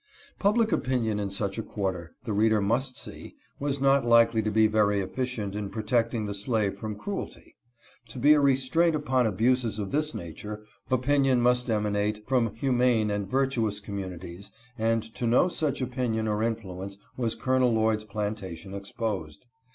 Public opinion in such a quarter, the reader must see, was not likely to be very efficient in protecting the slave from cruelty. To be a restraint upon abuses of this nature, opinion must emanate from humane and vir tuous communities, and to no such opinion or influence was Col. Lloyd's plantation exposed.